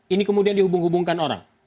ini kemudian dihubung hubungkan orang